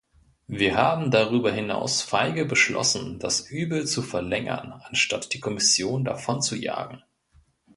Wir haben darüber hinaus feige beschlossen, das Übel zu verlängern, anstatt die Kommission davonzujagen.